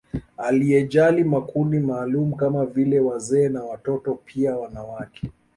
Aliyajali makundi maalumu kama vile wazee na watoto pia wanawake